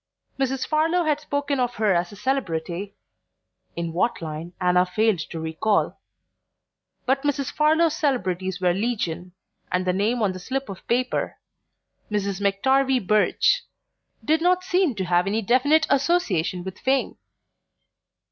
Mrs. Farlow had spoken of her as a celebrity (in what line Anna failed to recall); but Mrs. Farlow's celebrities were legion, and the name on the slip of paper Mrs. McTarvie Birch did not seem to have any definite association with fame.